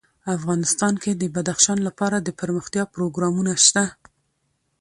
افغانستان کې د بدخشان لپاره دپرمختیا پروګرامونه شته.